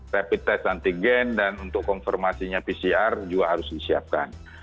rapid test antigen dan untuk konfirmasinya pcr juga harus disiapkan